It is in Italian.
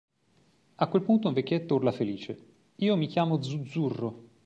A quel punto un vecchietto urla felice: "Io mi chiamo Zuzzurro!".